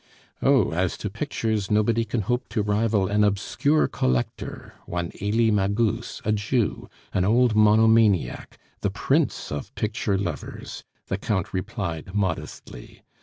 "Oh! as to pictures, nobody can hope to rival an obscure collector, one Elie Magus, a Jew, an old monomaniac, the prince of picture lovers," the Count replied modestly.